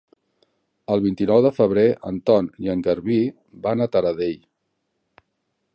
El vint-i-nou de febrer en Ton i en Garbí van a Taradell.